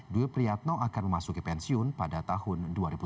dwi priyatno akan memasuki pensiun pada tahun dua ribu tujuh belas